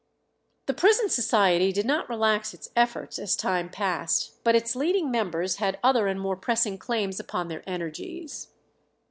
The Prison Society did not relax its efforts as time passed, but its leading members had other and more pressing claims upon their energies.